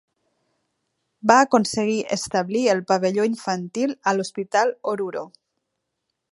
Va aconseguir establir el Pavelló Infantil a l'Hospital Oruro.